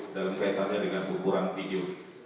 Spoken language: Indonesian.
dalam kaitannya dengan ukuran video